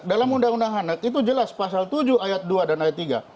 dalam undang undang hane itu jelas pasal tujuh ayat dua dan ayat tiga